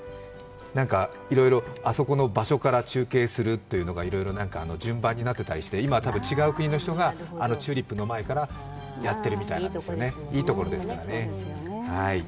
いろいろ、あそこの場所から中継するというのが順番になっていたりして今、多分違う国の人がチューリップの前からやっているみたいなんですよね、いいところですからね。